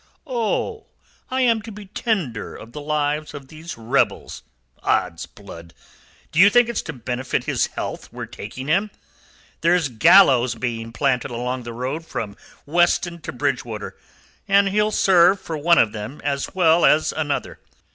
"Oh, I am to be tender of the lives of these rebels! Odds blood! Do you think it's to benefit his health we're taking him? There's gallows being planted along the road from Weston to Bridgewater, and he'll serve for one of them as well as another.